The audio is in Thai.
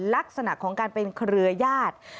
ลักษณะของการเป็นเครือญาติ